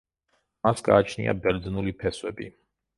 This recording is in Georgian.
მას გააჩნია ბერძნული ფესვები.